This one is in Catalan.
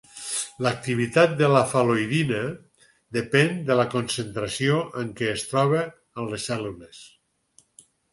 L'activitat de la fal·loïdina depèn de la concentració en què es troba en les cèl·lules.